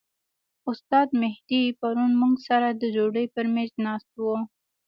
استاد مهدي پرون موږ سره د ډوډۍ پر میز ناست و.